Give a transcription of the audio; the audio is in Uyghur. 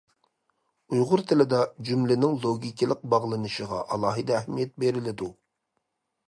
ئۇيغۇر تىلىدا جۈملىنىڭ لوگىكىلىق باغلىنىشىغا ئالاھىدە ئەھمىيەت بېرىلىدۇ.